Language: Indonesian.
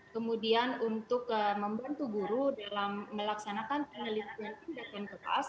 kemudian untuk membantu guru dalam melaksanakan penelitian tindakan keras